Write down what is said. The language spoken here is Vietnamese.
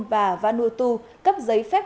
và vanuatu cấp giấy phép